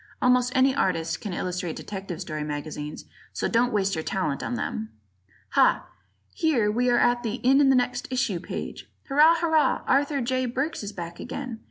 Almost any artist can illustrate detective story magazines, so don't waste your talent on them. Ha! Here we are at the "In the Next Issue" page. Hurrah! Hurrah! Arthur J. Burks is back again!